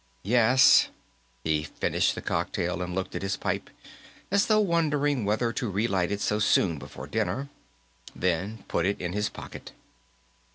"Yes." He finished the cocktail and looked at his pipe as though wondering whether to re light it so soon before dinner, then put it in his pocket.